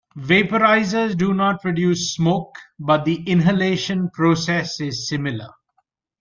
Vaporizers do not produce smoke, but the inhalation process is similar.